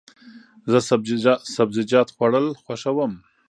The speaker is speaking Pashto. زه سبزیجات خوړل خوښوم.